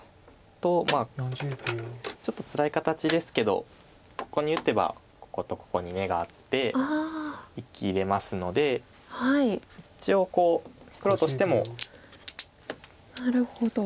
とちょっとつらい形ですけどここに打てばこことここに眼があって生きれますので一応黒としても。なるほど。